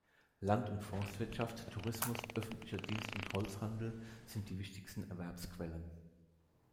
Land- und Forstwirtschaft, Tourismus, öffentlicher Dienst und Holzhandel sind die wichtigsten Erwerbsquellen.